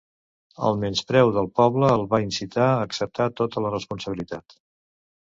El menyspreu del poble el va incitar a acceptar tota la responsabilitat.